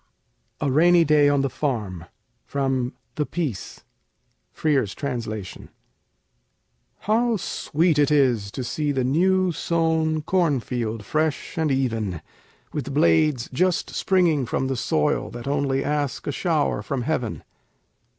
A RAINY DAY ON THE FARM From 'The Peace': Frere's Translation How sweet it is to see the new sown cornfield fresh and even, With blades just springing from the soil that only ask a shower from heaven.